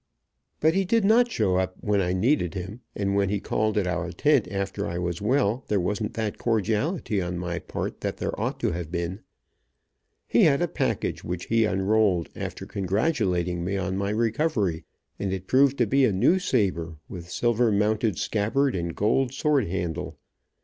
But he did not show up when I needed him, and when he called at our tent after I was well, there wasn't that cordiality on my part that there ought to have been. He had a package which he unrolled, after congratulating me on my recovery, and it proved to be a new saber, with silver mounted scabbard and gold sword handle.